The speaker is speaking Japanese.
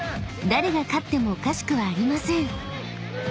［誰が勝ってもおかしくはありません］